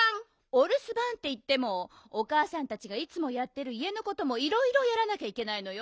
おるすばんっていってもおかあさんたちがいつもやってるいえのこともいろいろやらなきゃいけないのよ。